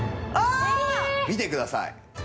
見てください。